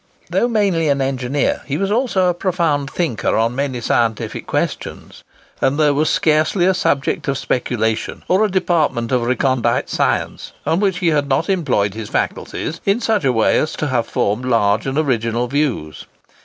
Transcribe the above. Though mainly an engineer, he was also a profound thinker on many scientific questions: and there was scarcely a subject of speculation, or a department of recondite science, on which he had not employed his faculties in such a way as to have formed large and original views.